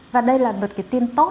và đây là một cái tin tốt